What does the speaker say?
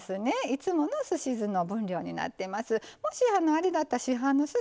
いつもの、すし酢の分量になっていると思います。